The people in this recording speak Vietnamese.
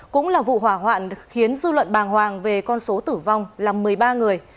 cũng là vụ hỏa hoạn khiến dư luận bàng hoàng về con số tử vong là một mươi ba người